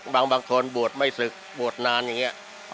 บางคนบวชไม่ศึกบวชนานอย่างนี้